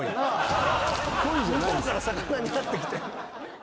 向こうから魚になってきた。